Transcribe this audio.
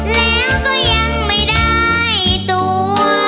แล้วก็ยังไม่ได้ตัว